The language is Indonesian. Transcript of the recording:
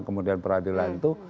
kemudian peradilan itu